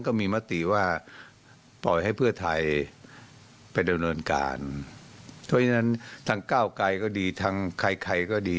ก็มีกลุ่มเยาวชนมาโรยแป้งแบบนี้ค่ะ